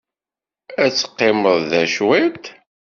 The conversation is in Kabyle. Ad teqqimeḍ da cwit?